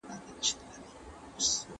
هغوی په ډېر بېړه سره له میدان څخه ووتل.